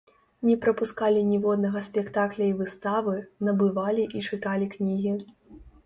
Не прапускалі ніводнага спектакля і выставы, набывалі і чыталі кнігі.